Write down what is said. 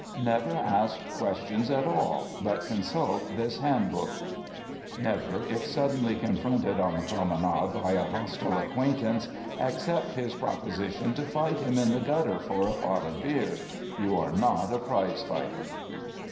Never ask questions at all, but consult this Hand Book. Never, if suddenly confronted on the promenade by a hostile acquaintance, accept his proposition to fight him in the gutter for a pot of beer. You are not a Prize Fighter.